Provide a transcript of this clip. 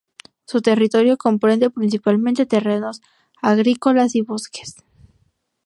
Su territorio comprende principalmente terrenos agrícolas y bosques.